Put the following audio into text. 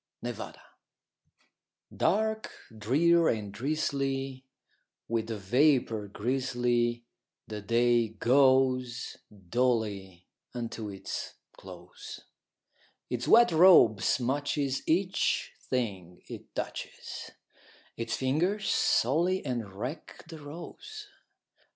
A WET DAY Dark, drear, and drizzly, with vapor grizzly, The day goes dully unto its close; Its wet robe smutches each thing it touches, Its fingers sully and wreck the rose.